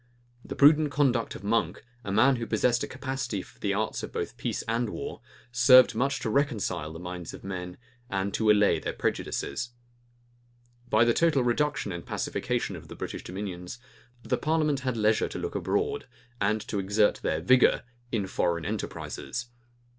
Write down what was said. [] The prudent conduct of Monk, a man who possessed a capacity for the arts both of peace and war, served much to reconcile the minds of men, and to allay their prejudices. {1652.} By the total reduction and pacification of the British dominions, the parliament had leisure to look abroad, and to exert their vigor in foreign enterprises.